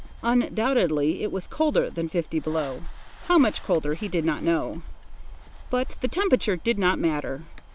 Undoubtedly it was colder than fifty below—how much colder he did not know. But the temperature did not matter.